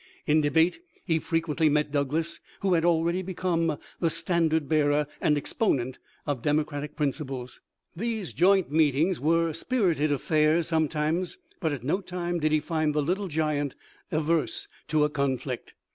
In debate he fre quently met Douglas, who had already become the standard bearer and exponent of Democratic prin ciples. These joint meetings were spirited affairs sometimes ; but at no time did he find the Little Giant averse to a conflict.